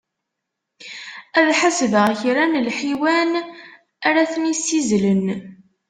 Ad ḥasbeɣ kra n lḥiwan ara ten-issizzlen.